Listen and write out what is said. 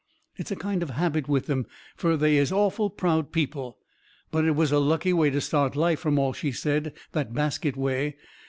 It is a kind of a habit with them, fur they is awful proud people. But it was a lucky way to start life, from all she said, that basket way.